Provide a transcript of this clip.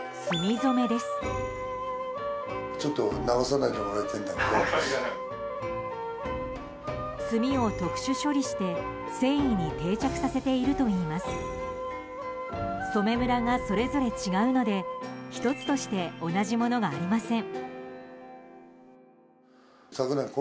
染めムラがそれぞれ違うので１つとして同じものがありません。